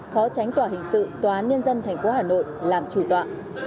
khó tránh tòa hình sự tòa án nhân dân tp hà nội làm trụ tọa